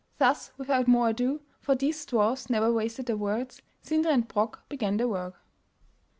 Thus without more ado, for these dwarfs never wasted their words, Sindri and Brok began their work.